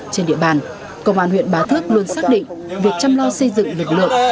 trên địa bàn công an huyện bá thước luôn xác định việc chăm lo xây dựng lực lượng